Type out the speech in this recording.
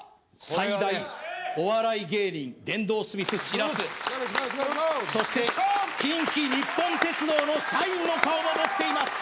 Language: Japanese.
最大お笑い芸人電動スミスしらすそして近畿日本鉄道の社員の顔も持っています